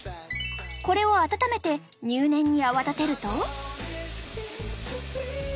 これを温めて入念に泡立てると。